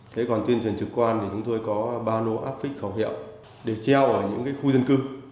thế còn tuyên truyền trực quan thì chúng tôi có ba lô áp phích khẩu hiệu để treo ở những khu dân cư